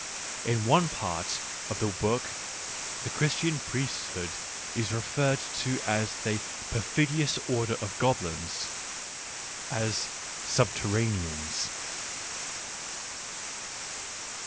In one part of the book the Christian priesthood is referred to as a " perfidious order of goblins," as " subterraneans."